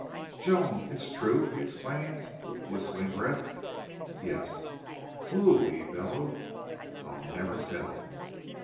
"Joan! It's true," he exclaimed, with whistling breath. "Yes." "WHO?" he bellowed. "I'll never tell."